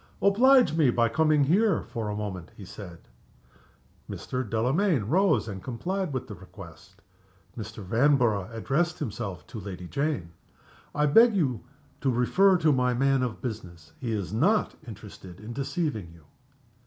"Oblige me by coming here for a moment," he said. Mr. Delamayn rose and complied with the request. Mr. Vanborough addressed himself to Lady Jane. "I beg to refer you to my man of business. He is not interested in deceiving you."